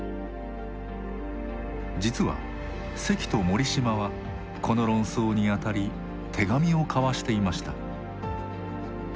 実は関と森嶋はこの論争にあたり手紙を交わしていました。